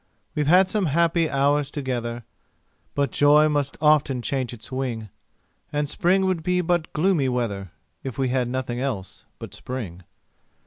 We've had some happy hours together, But joy must often change its wing; And spring would be but gloomy weather, If we had nothing else but spring.